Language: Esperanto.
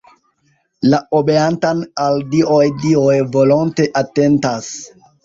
La obeantan al dioj dioj volonte atentas.